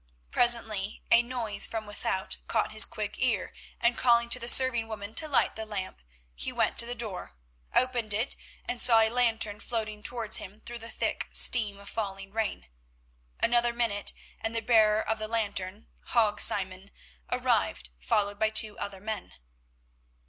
Presently a noise from without caught his quick ear, and calling to the serving woman to light the lamp, he went to the door, opened it, and saw a lantern floating towards him through the thick steam of falling rain. Another minute and the bearer of the lantern, Hague Simon, arrived, followed by two other men.